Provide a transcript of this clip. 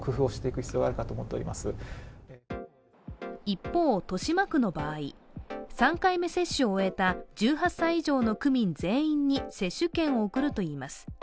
一方、豊島区の場合、３回目接種を終えた１８歳以上の区民全員に接種券を送るといいます。